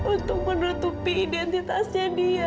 untuk menutupi identitasnya dia